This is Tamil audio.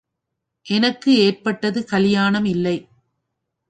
எனக்கு ஏற்பட்டது கலியாணம் இல்லை.